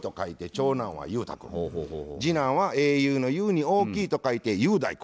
次男は「英雄の雄」に「大きい」と書いて雄大君。